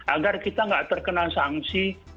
agar kita tidak terkenal sanksi